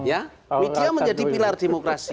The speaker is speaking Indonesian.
ya media menjadi pilar demokrasi